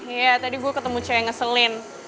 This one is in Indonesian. iya tadi gua ketemu caya ngeselin